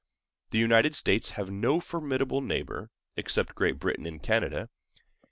The United States have no formidable neighbor, except Great Britain in Canada.